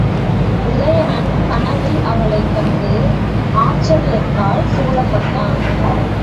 உதயணன் கனவில் அவளைக் கண்டு ஆச்சரியத்தால் சூழப்பட்டான்.